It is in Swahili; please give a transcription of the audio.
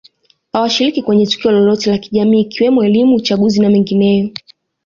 hawashiriki kwenye tukio lolote la kijamii ikiwemo elimu uchaguzi na mengineyo